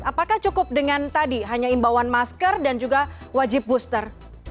apakah cukup dengan tadi hanya imbauan masker dan juga wajib booster